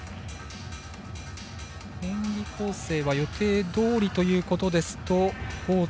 演技構成は予定どおりということですと５．８。